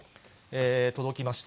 届きました。